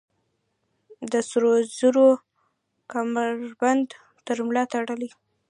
د سروزرو کمربند تر ملا تړلي